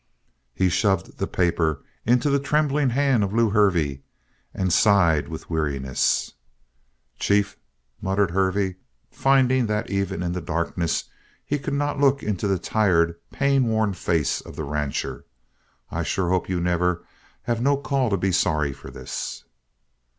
He shoved the paper into the trembling hand of Lew Hervey, and sighed with weariness. "Chief," muttered Hervey, finding that even in the darkness he could not look into the tired, pain worn face of the rancher, "I sure hope you never have no call to be sorry for this."